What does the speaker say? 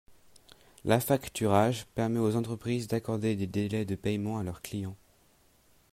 L’affacturage, permet aux entreprises d’accorder des délais de paiement à leurs clients.